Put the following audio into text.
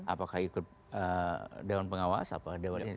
apakah ikut daun pengawas atau daun ini